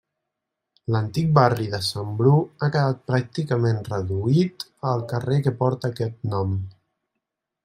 L'antic barri de Sant Bru ha quedat pràcticament reduït al carrer que porta aquest nom.